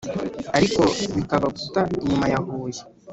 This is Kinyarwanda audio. ariko bikaba guta inyuma ya huye!